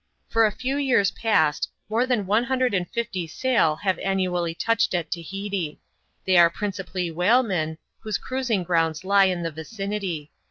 f For a few years past, more than one hundred and fifty sail have annu lUy touched at Tahiti. They are principally whalemen, whose cruising prounds lie in the vicinity.